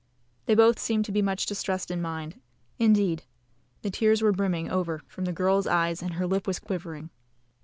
They both seemed to be much distressed in mind indeed, the tears were brimming over from the girl's eyes, and her lip was quivering.